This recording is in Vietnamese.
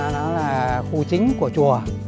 đó là khu chính của chùa